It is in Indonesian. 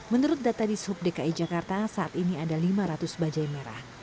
menurut data di sub dki jakarta saat ini ada lima ratus bajai merah